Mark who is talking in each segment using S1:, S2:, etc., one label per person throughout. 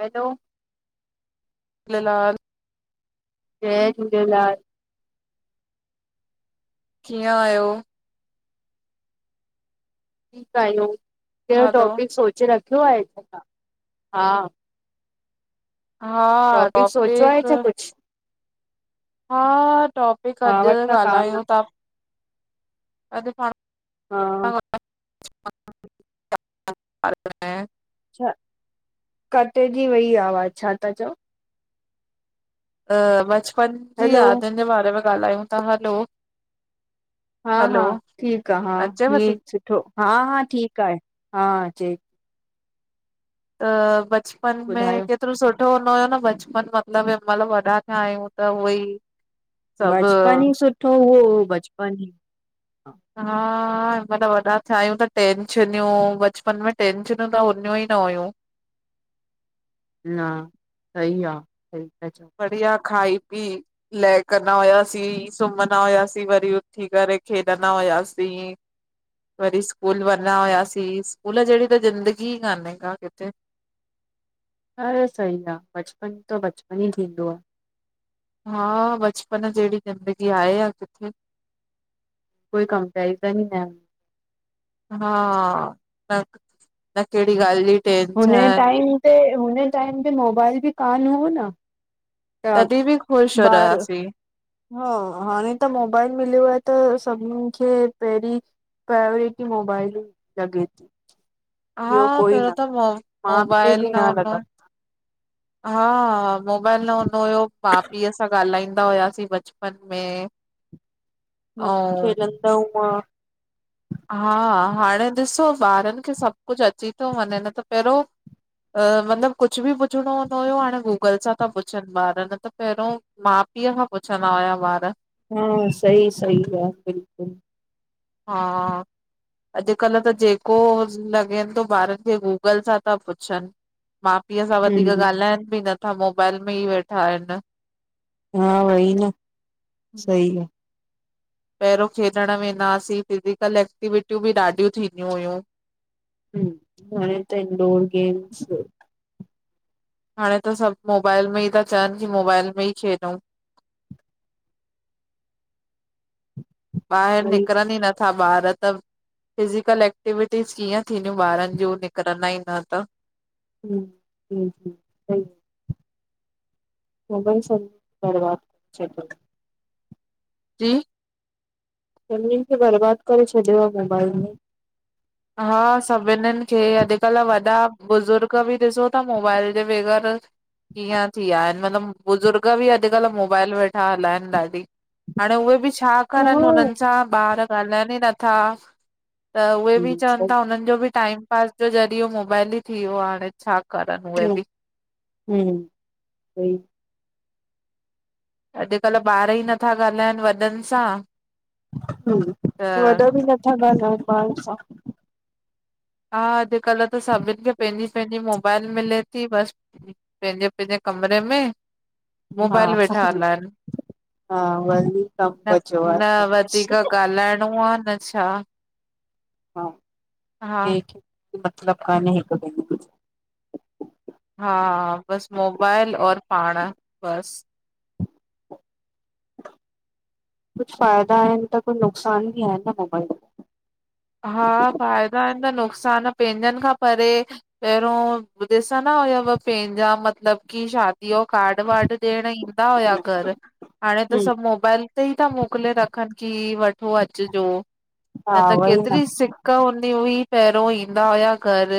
S1: Hello
S2: जय झुलेलाल
S1: जय झूलेलाल
S2: कीअं आहियो?
S1: ठीकु आहियूं, कहिड़ो
S2: हलो
S1: टॉपिक सोचे रखियो आहे हा
S2: हा
S1: सोचियो आहे
S2: टॉपिक
S1: छा कुझु?
S2: हा टॉपिक
S1: मां
S2: अॼु
S1: वटि त कान आहे।
S2: ॻाल्हायूं था, अॼु पाण
S1: हा
S2: [unintelligible]
S1: अच्छा, कटेजी वई आवाज़ु छा था चओ?
S2: त बचपन जी
S1: हैलो,
S2: यादुनि जे बारे में ॻाल्हायूं था हलो
S1: हा हा
S2: हलो
S1: ठीकु आ हा
S2: अचेव थी
S1: हीअ सुठो हा हा ठीकु आहे हा अचे
S2: त बचपन में क
S1: ॿुधायो,
S2: केतिरो सुठो हूंदो हुयो न बचपन मतलबु हिमहिल वॾा थिया आहियूं त उहोई सभु
S1: बचपन ई सुठो हुओ हो बचपन ई
S2: हा हिन महिल वॾा थियायूं त टैंशनियूं, बचपन में टैंशनियूं त हुनियूं ई न हुइयूं।
S1: न सही आ, सही ता चओ
S2: बढ़िया खाई पी लय कंदा हुआसीं सुम्हंदा हुआसीं वरी उथी करे खेॾंदा हुआसीं वरी सकूल वञा हुयासी, स्कूल जहिड़ी त ज़िंदगी ई कानेका किथे।
S1: हा, सही आ बचपन त बचपन ई थींदो आ।
S2: हा, बचपन जहिड़ी ज़िंदगी आहे या किथे?
S1: कोई कमपेरिजन ही नाहे
S2: हा, न न कहिड़ी ॻाल्हि जी
S1: हुन
S2: टेंशन
S1: टाइम ते हुन टाइम ते मोबाइल बि कान हो न? त
S2: तॾहिं बि ख़ुश
S1: बार
S2: रहियासीं
S1: हा, हाणे त मोबाइल मिलियो आहे त सभिनी खे पहिरीं पेरिटी मोबाइल ई लॻे थी
S2: हा
S1: ॿियो कोई
S2: पहिरियो
S1: न
S2: त मो
S1: माउ पीउ
S2: मोबाइल
S1: बि
S2: न हूंदो
S1: लॻा
S2: हा, मोबाइल न हूंदो हुयो माउ पीउ सां ॻाल्हाईंदा हुआसीं बचपन में
S1: ह
S2: ऐं
S1: खेलंदा हुआ
S2: हा हाणे ॾिसो ॿारनि खे सभु कुझु अची थो वञे न त पहिरों मतलबु कुझु बि पुछिणो हूंदो हुयो हाणे गूगल सां था पुछनि ॿार न त पहिरों माउ पीउ खां पुछंदा हुया ॿार
S1: हा सही सही आ बिल्कुलु
S2: हा अॼुकल्ह त जेको लॻेनि थो ॿारनि खे गूगल सां था पुछनि माउ पीउ सां वधीक
S1: हम्म
S2: ॻाल्हाइनि बि नथा मोबाइल में ई वेठा आहिनि।
S1: हा वई न सही आ
S2: पहिरियों खेॾण वेंदासीं फिजिकल एक्टिविटियूं बि ॾाढियूं थींदियूं हुयूं।
S1: हम, हाणे त इंडोर गेम्स
S2: हाणे त सभु मोबाइल में ई था चवनि की मोबाइल में ई खेॾउ बाहिर
S1: वरी
S2: निकरन ई नथा। ॿार त फिज़िकल एक्टिविटीज़ कीअं थींदियूं ॿारनि जूं निकिरंदा ई न त।
S1: हू हु सही आ मोबाइल सब बरबाद करे छॾियो।
S2: जी
S1: सभिनीन खे बर्बाद करे छॾियो आहे मोबाइलन।
S2: हा सभिननि खे अॼुकल्ह वॾा बुज़ुर्ग बि ॾिसो था मोबाइल जे बग़ैरह कीअं थी विया आहिन, मतिलबु बुज़ुर्ग बि अॼुकल्ह मोबाइल वेठा हलाइन ॾाढी। हाणे उहे बि छा करनि, हुनन
S1: हम्म
S2: सां ॿार ॻाल्हाइनि ई नथा। त उहे बि चवनि था
S1: सही
S2: हुननि जो बि टाइम पास जो ज़रियो मोबाइल ई थी वियो आ हाणे, छा करणु उहे बि।
S1: हम्म सई।
S2: अॼुकल्ह ॿार ई नथा ॻाल्हाइनि वॾनि सां।
S1: ह
S2: त
S1: वॾो बि नथा ॻालाऐन ॿारन सां।
S2: हा अॼुकल्ह त सभिन खे पैंजी पैंजी मोबाइल मिले थी, बस पैंजे पैंजे कमरे में
S1: हा
S2: मोबाइल वेठा
S1: सही आ
S2: हलाइन।
S1: हा वी [inaudible]
S2: न- न वधीक ॻाल्हाइणो आ, न छा!
S1: हा
S2: हा
S1: मतलब कान्हे हिकु [unintelligible]
S2: हा बस मोबाइल और पाण, बस।
S1: कुझु फ़ाइदा आहिन त कुछ नुक़सान बि आहिन न मोबाइल मां।
S2: हा फ़ाइदा आहिनि त नुक़सान, पंहिंजन खां परे पहिरियों ॾिसंदा हुया, पंहिंजा मतलब कि शा धीअ यो कार्ड वार्ड ॾियण ईंदा हुया घर, हाणे त सब मोबाइल हिते ई था मोकिले रखनि कि, वठो- अचजो।
S1: हा वईी न।
S2: सिक्क हुंदी हुई पहिरियों ईंदा हुया घर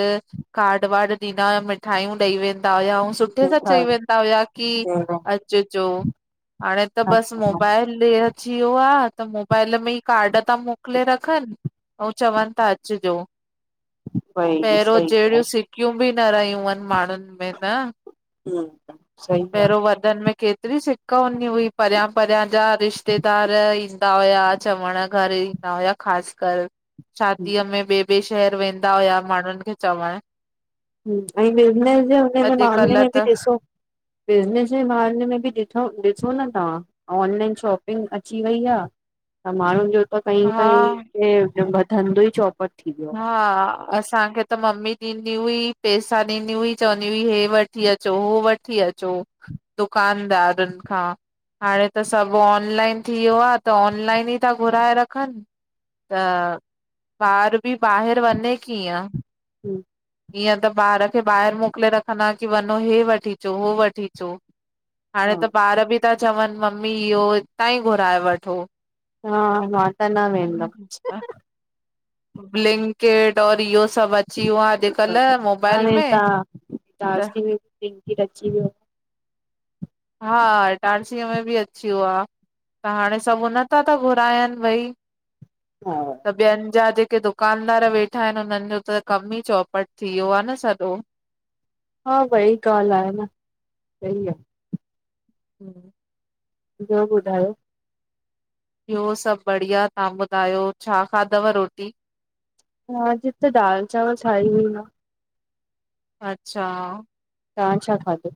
S2: कार्ड वार्ड ॾींदा हुया मिठायूं ॾेई वेंदा हुया, ऐं सुट्ठे सां चई वेंदा हुया कि अचजो, हाणे त बस
S1: अच्छा
S2: मोबाइल मोबाइल अची वियो आ त मोबाइल में ई कार्ड था मोकिले रखन अंउ चवनि था अचजो,
S1: वई
S2: पहिरियों
S1: सही है।
S2: जहिड़ियूं सि कियूं बि न रहियूं आहिन माण्हुनि में, न।
S1: हम, सही आ।
S2: वठंन में केतिरी सिक्क हूंदी हुई परियां परियां जा रिश्तेदार ईंदा हुया। चवण घर ईंदा हुया ख़ास कर शादीअ में ॿिए ॿिए शहर वेंदा हुया माण्हुनि खे चवण।
S1: ऐं बिज़नेस जे हुनजे मामले
S2: अॼुकल्ह
S1: में बि
S2: त
S1: ॾिसो। बिज़नेस जे बारे में बि ॾिठो ॾिसो न तहां। ऑनलाइन शॉपिंग अची वई आ, त माण्हुनि जो त कई
S2: हा
S1: कई ये वठ धन्दो ई चौपट थी वियो
S2: हा असांखे त मम्मी ॾींदी हुई, पेसा ॾींदी हुई, चवंदी हुई हे वठी अचो, उ वठी अचो। दुकानदारनि खां। हाणे त सभु ऑनलाइन थी वियो आ, त ऑनलाइन ई था घुराए रखनि। त बा्र बि ॿाहिरि वञे कीअं?
S1: आहे।
S2: इअं त ॿार खे ॿाहिरि मोकिले रख अंञा कि वंञो हे वठी अचो, हो वठी अचो, हाणे त ॿार बि ता चवन, मम्मी इहो हितां ई घुराए वठो।
S1: हा, मां त न वेंंदम।
S2: ब्लिंकिट और इह्यो सभु अची यो आ, अॼुकल्ह मोबाइल में
S1: हा।
S2: त
S1: ईटारसी में भी ब्लिंकिट अची वियो।
S2: हा इटारसीअ में बि अची वियो आ, त हाणे सभु उन तां ता घुरायनि भई त ॿियनि जा जेके दुक दुकानदार वेठा हिनि हुननि जो त कमु ई चौपट थी यो आ न सॼो
S1: हा वई ॻाल्हि आहे न वही आ।
S2: हम्म
S1: ॿियो ॿुधायो?
S2: बि्यो सभु बढ़िया, तहां ॿुधायो छा खाधव रोटी?
S1: मां अॼु त दाल चांवल ठाई हुई न
S2: अच्छा
S1: तहां छा खाधो?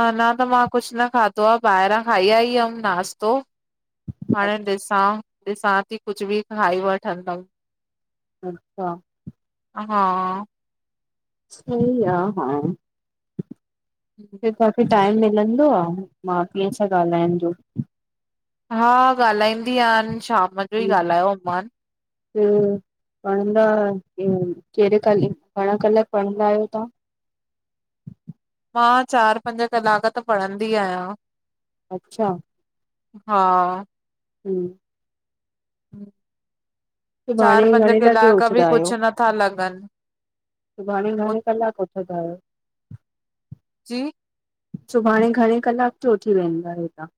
S2: अना त मां कुछु न खादो आ, ॿाहिरां खाई आई हमि नाश्तो। हाणें ॾिसां, ॾिसां ती कुछ बि खाई वठंदमि।
S1: अच्छा।
S2: हा
S1: सही आ, हा
S2: हम्म
S1: त तहांखे टाइम मिलंदो आ माउ पीअ सां ॻाल्हाइण जो?
S2: हा ॻाल्हाईंदी आंन शाम जो ई ॻाल्हायो मांन्।
S1: बियो पढ़ंदा कहिड़े कालेज, घणा कलाक पढ़ंदा आहियो तहां?
S2: मां चारि पंज कलाक त पढ़ंदी आहियां।
S1: अच्छा?
S2: हा।
S1: हम्म। सुभाणे
S2: चार पंज
S1: घणे लॻे
S2: किलाक बि
S1: उथंदा
S2: कुछु नथा लॻनि।
S1: घणें -घणें कलाक उथंदा आहियो?
S2: जी?
S1: सुभाणे घणे कलाक जो उथी वेंदा आहियो तहां?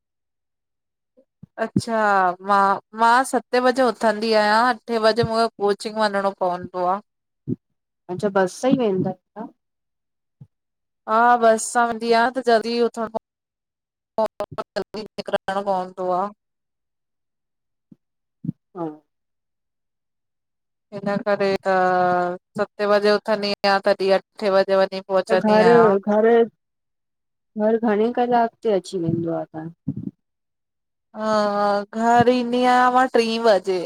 S2: अच्छा, मां मां सते बजे उथंदी आहियां। अठे बजे मुखे कोचिंग वञिंणो पवंदो आ।
S1: अच्छा बस सां ई वेंदा आहियो तहां?
S2: हा बस सां वेंदी आहियां, त जल्दी उथण जल्दी निकिरणो पवंदो आ।
S1: हा।
S2: हिन करे त सते बजे उथंदी आं, तॾी अठे बजे वंञीं
S1: त घरु घरु घरु घणें कलाक ते अची वेंदो आ तहां?
S2: अं घर ईंदी आहियां मां ट्रीं वजे।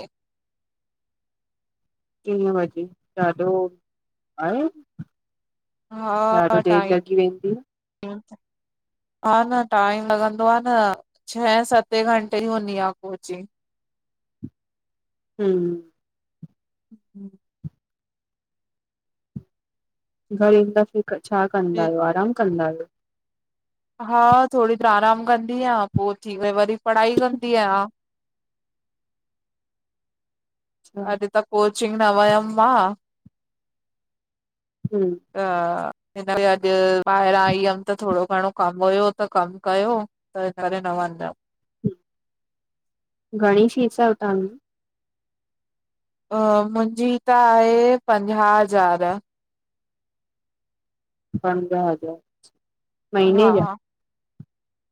S1: टी बजे ॾाढो आहे। ॾाढो देरि लॻी वेंदी आ।
S2: ह हा न टाइम लॻंदो आ न छहे सते घंटे यी हुंदी आ कोचिंग
S1: हम्म
S2: हं।
S1: घरु ईंदा फ छा कंदा आयो आराम कंदा आयो।
S2: हा थोरी त आराम कंदीयां पो उथी वई वरी पढ़ाई कंदी आहियां।
S1: अच्छा
S2: अॾ त कोचिंग न वयम् मां।
S1: हां।
S2: त हिन करे अॾ ॿाहिरां आई हुयम त थोरो घणो कम हुयो त कम कयो। त हिन करेे न वनयम्।
S1: घणी फीस आ हुतांजी?
S2: अ मुंजी त आहे पंजाह हज़ार।
S1: पंजाह हज़ार।
S2: हा
S1: महीने जा?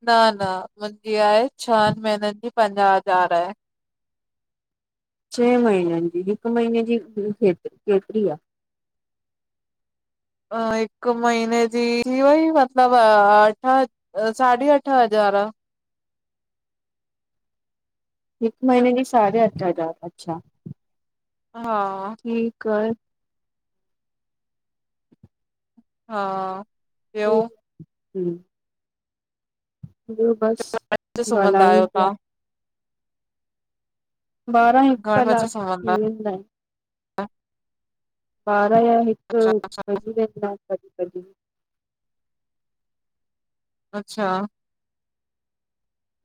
S2: न न मुंहिंजी आहे छन महिनंजो। पंजाह हज़ार।
S1: छेह महीनन जी हिकु महीने फी केतरी आ?
S2: अ हिकु महीने जी वई मतलब अठ। अ साढे अठ हज़ार।
S1: हिकु महीने जी साढे अठ हज़ार अच्छा।
S2: हा।
S1: ठीकु आहे।
S2: हा। ॿियो
S1: हं हं। ॿियो बस
S2: बजे सुम्हंदा
S1: ॻाल्हायूं
S2: आहियो
S1: प्या।
S2: तव्हां
S1: ॿारहां हिकु
S2: घणे बजे
S1: कलाक
S2: सुम्हंदा
S1: थी वेंदा आहिन।
S2: आहियो?
S1: ॿारह या हिकु
S2: अच्छा
S1: व़ॼी वेंदानि कॾी कॾी।
S2: अच्छा।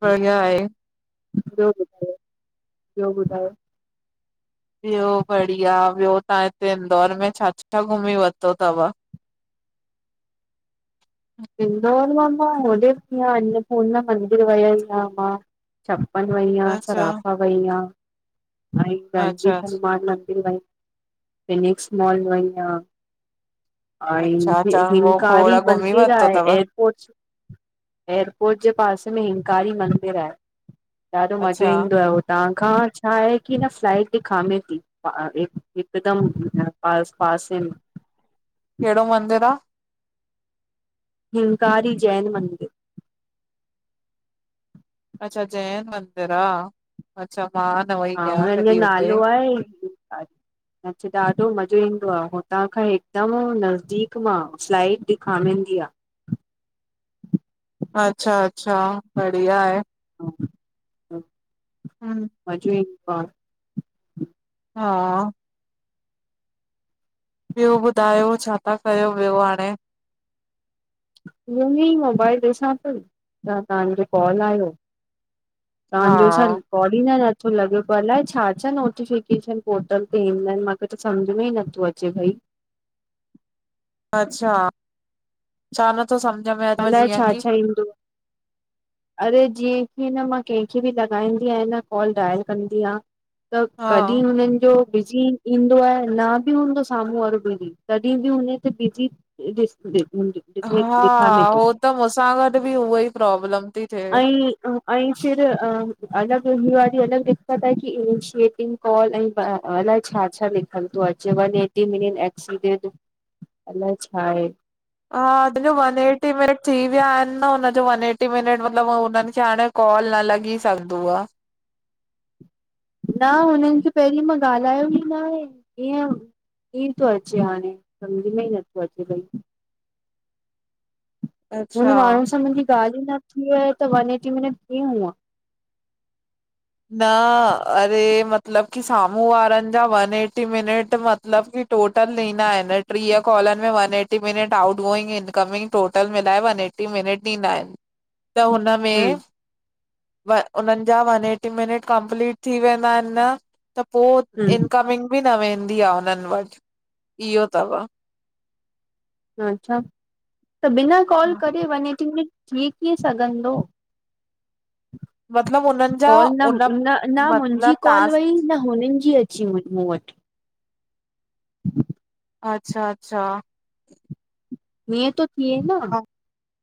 S2: बढ़िया आहे।
S1: ॿियो ॿुधायो ॿियो ॿुधायो?
S2: ॿियो बढ़िया ॿियो तां हिते इंदौर में छा छा घुमी वरतो थव?
S1: इंदौर मामा उ ओॾे पीअ अन्नपूर्णा मंदिर वयम् मामा। छप्पन वेईयां
S2: अच्छा
S1: सराफ़ा वईयां। ऐं
S2: अच्छा
S1: रणजीत
S2: अच्छा
S1: हनुमान मंदिर व फिनिक्स मॉल वई आं। अं
S2: अच्छा
S1: हिम्
S2: चङो
S1: हिमकारी
S2: खोड़
S1: मन।
S2: घुमी वरितो अथव
S1: एयरपोर्ट एयरपोर्ट जे पासे में हिमकारी मंदर आहे। ॾाढो मज़ो
S2: अच्छा
S1: ईंदो आहे उ तांखां छा आहे की न फ्लाइट ॾिखामे थी। हिकदम प पास पासन।
S2: केहड़ो मंदर आ?
S1: हिमकारी जैन मंदिर।
S2: अच्छा जैन मंदिर आ अच्छा मा।
S1: हा हुनन जो नालो आहे। नच ॾाढो मज़ो ईंदो आहे हुतां खां हिकदम नज़दीक मां स्लाइड ॾिखामिंदी आ।
S2: अच्छा अचछा बढ़िया आहे।
S1: हा हा।
S2: हं।
S1: हजु हिकु बा।
S2: हां। ॿियो ॿुधायो, छा था कयो ॿियो हाणे?
S1: ईयई मोबाइल ॾिसां पई, त तव्हांजो कॉल आहियो।
S2: हा
S1: तहांजो छ ल? काल ही नथो लॻे पर अलाए छा छा नोटिफिकेशन पोर्टल ते ईंदा आहिनि। मां पर त सम्झ में ई नथो अचे भई।
S2: अच्छा! छा नथो सम्झ में अथव
S1: अलाए
S2: जीअं
S1: छा
S2: की?
S1: छा ईंदो अरे जीअं कि न मां कंहिंखे बि लगाईंदी आहियां न कॉल, डायल कंदी आ त
S2: हा
S1: कॾी हुननि जो बिजी ईंदो आहे, न बि हूंदो साम्हूं वारो बिजी, तॾी बि हुनते बिजि
S2: हा हो
S1: [unintelligible]
S2: त मूसां गॾु बि उहा ई प्रॉब्लम ती
S1: अई ऐं अई फिर अ अलॻि हिय वारी अलॻि दिक्कत आहे की इनिशिएटिंग कॉल अई अलाए छा छा लिखलु तो अचे वन ऐटी मिनट् एक्सीडेट अलाए छा आहे।
S2: हा जीन जो वन एटी मिनट थी विया आहिनि न, हुनजो वन एटी मिनट मतिलबु हुननि खे हाणे कॉल न लॻी सघदो आ।
S1: न हुननि खे पहिरीं मां ॻाल्हायो ई न आहे इएं ई तो अचे हाणे, सम्झ में ई नथो अचे भई। हुन
S2: अच्छा
S1: माण्हूनि सां मुंहिंजी ॻाल्हि ई न थी आहे त वन एटी मिनट कीअं हुंआ?
S2: न अरे मतिलबु की साम्हूं वारनि जा वन एटी मिनट मतलबु की टोटल ॾींदा आहिनि टीह कॉलन मेंं one eighty minute out going incoming total मिलाए वन एट टी मिनट ॾींदा आहिनि। त हुन में
S1: हम
S2: वन उननि जा वन एटी मिनट कंपलीट थी वेंदा आहिनि न। त पो
S1: हम
S2: इनकमिंग बि न वेंदी आ उननि वटि, इहो तव।
S1: अच्छा, त बिना कॉल करे वन एटी मिनट थी कीअं सघंदो?
S2: मतलब हुननि जा
S1: कॉल न
S2: उन
S1: न न मुंहिंजी
S2: मतलब
S1: कॉल
S2: टास्क
S1: वई न हुननि जी अची वई मूं वटि। [inaudible]
S2: अच्छा अच्छा
S1: मींयुं तो थीए न।
S2: हा